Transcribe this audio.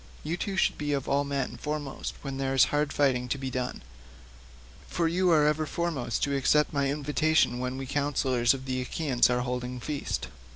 You two should be of all men foremost when there is hard fighting to be done, for you are ever foremost to accept my invitation when we councillors of the Achaeans are holding feast.